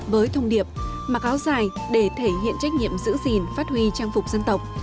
với thông điệp mặc áo dài để thể hiện trách nhiệm giữ gìn phát huy trang phục dân tộc